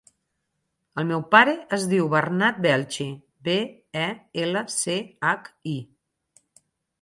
El meu pare es diu Bernat Belchi: be, e, ela, ce, hac, i.